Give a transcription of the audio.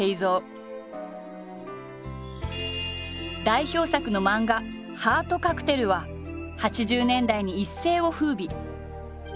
代表作の漫画「ハートカクテル」は８０年代に一世を風靡。